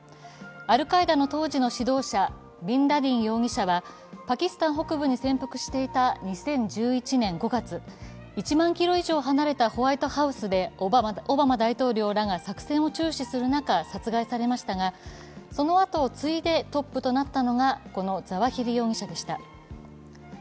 アルカイダの当時の指導者ビンラディン容疑者はパキスタン北部に潜伏していた２０１１年５月、１万キロ以上離れたホワイトハウスでオバマ大統領らが作戦を注視する中、殺害されましたが、そのあと次いでトップとなったのがこのザワヒリ容疑者でした。